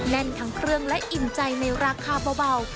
แน่นทั้งเครื่องและอิ่มใจในราคาเบา